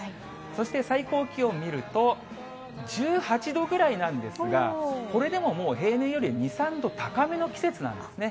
そして最高気温見ると、１８度ぐらいなんですが、これでももう、平年より２、３度高めの季節なんですね。